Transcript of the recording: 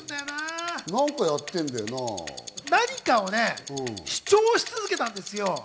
何かをね、主張し続けたんですよ。